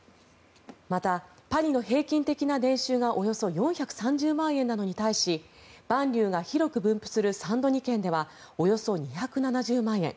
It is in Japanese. また、パリの平均的な年収がおよそ４３０万円なのに対しバンリューが広く分布するサン・ドニ県ではおよそ２７０万円